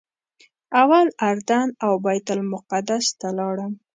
اول اردن او بیت المقدس ته لاړم.